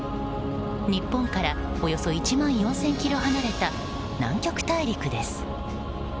日本からおよそ１万４０００ｋｍ離れた南極大陸です。